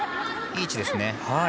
いい位置ですね。